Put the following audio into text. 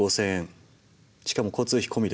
しかも交通費込みです。